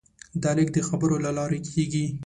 دا لېږد د خبرو له لارې کېږي.